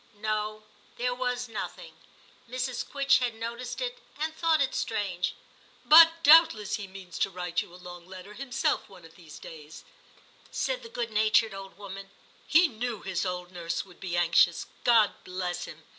No, there was nothing ; Mrs. Quitchett had noticed it and thought it strange. * But doubtless he means to write you a long letter himself one of these days,' said the good natured old woman ;* he knew his old nurse would be anxious, God bless him